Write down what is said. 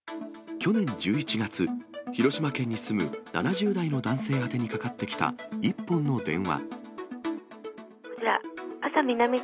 去年１１月、広島県に住む７０代の男性宛てにかかってきた一本の電話。